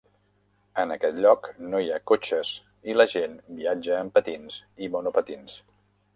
En aquest lloc no hi ha cotxes i la gent viatja en patins i monopatins.